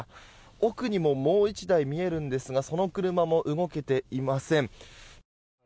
奥にももう１台見えるんですがその車も動けていません。